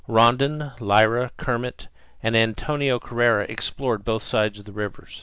Rondon, Lyra, Kermit, and Antonio Correa explored both sides of the river.